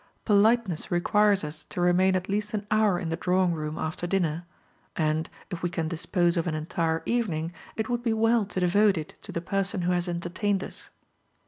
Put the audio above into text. Politeness requires us to remain at least an hour in the drawing room after dinner; and, if we can dispose of an entire evening, it would be well to devote it to the person who has entertained us.